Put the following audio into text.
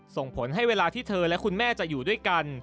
ส่งผลให้เวลาที่เธอและคุณแม่จะอยู่ด้วยกัน